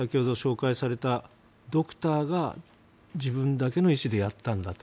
先ほど紹介されたドクターが自分だけの意思でやったと。